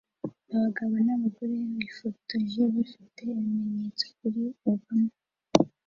Abagabo n'abagore bifotoje bafite ibimenyetso kuri Obama